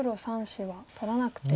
３子は取らなくて。